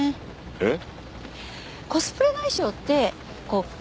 えっ？